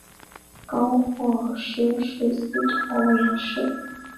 高获师事司徒欧阳歙。